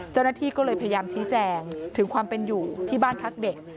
เจ้าหน้าที่ก็เลยพยายามชี้แจงถึงความเป็นอยู่ที่บ้านพักเด็ก